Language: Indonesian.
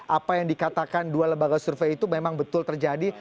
apa yang dikatakan dua lembaga survei itu memang betul terjadi